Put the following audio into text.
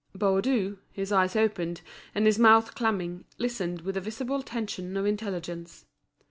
Baudu, his eyes opened, and his mouth clamming, listened with a visible tension of intelligence.